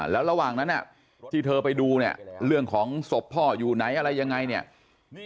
แล้วระหว่างนั้นที่เธอไปดูเรื่องของสบพ่ออยู่ไหนอะไรอย่างไร